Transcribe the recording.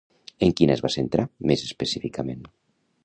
En quina es va centrar més específicament?